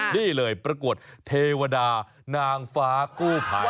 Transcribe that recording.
นี่เลยประกวดเทวดานางฟ้ากู้ภัย